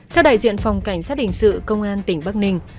theo đại diện phòng cảnh xác định sự công an tỉnh bắc ninh